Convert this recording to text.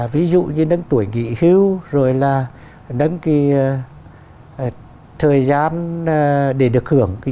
ví dụ như nâng tuổi nghị hưu rồi là nâng cái thời gian để được